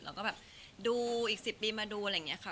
แล้วก็แบบดูอีก๑๐ปีมาดูอะไรอย่างนี้ค่ะ